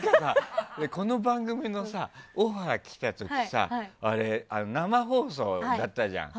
この番組のオファー来た時生放送だったじゃん